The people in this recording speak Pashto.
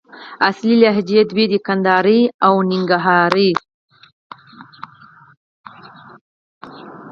اصلي لهجې دوې دي: کندهارۍ او ننګرهارۍ